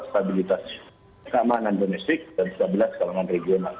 stabilitas keamanan domestik dan stabilitas keamanan regional